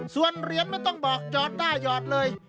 ส่วนเหรียญไม่ต้องบอกจอดได้หยอดเลย